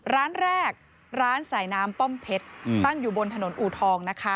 ร้านแรกร้านสายน้ำป้อมเพชรตั้งอยู่บนถนนอูทองนะคะ